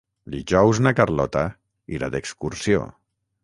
Dijous na Carlota irà d'excursió.